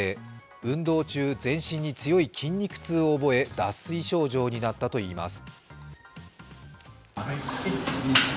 運動中、全身に強い筋肉痛を覚え脱水症状になったといいます。